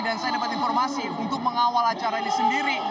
dan saya dapat informasi untuk mengawal acara ini sendiri